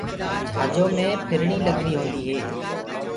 جھآجو مي ڦرڻيٚ لگريٚ هونٚدي هي